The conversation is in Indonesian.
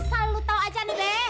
asal lo tau aja nih be